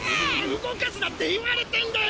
動かすなって言われてんだよ！